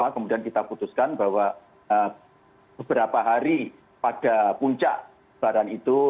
kemudian kita putuskan bahwa beberapa hari pada puncak baran itu